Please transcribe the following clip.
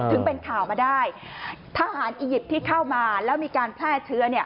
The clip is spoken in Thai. ถึงเป็นข่าวมาได้ทหารอียิปต์ที่เข้ามาแล้วมีการแพร่เชื้อ